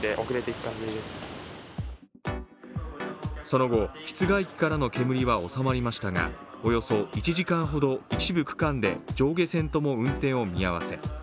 その後、室外機からの煙は収まりましたが、およそ１時間ほど一部区間で上下線とも運転を見合わせ。